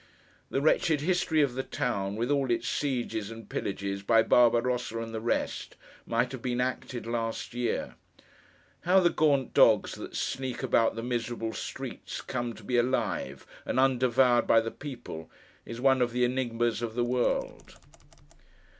The wretched history of the town, with all its sieges and pillages by Barbarossa and the rest, might have been acted last year. How the gaunt dogs that sneak about the miserable streets, come to be alive, and undevoured by the people, is one of the enigmas of the world.